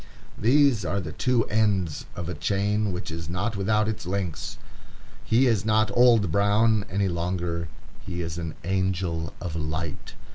These are the two ends of a chain which is not without its links. He is not Old Brown any longer; he is an Angel of Light.